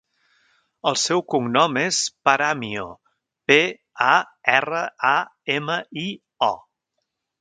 El seu cognom és Paramio: pe, a, erra, a, ema, i, o.